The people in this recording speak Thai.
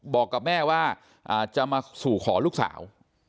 บอกกับแม่ว่าจะมาสู่ขอลูกสาว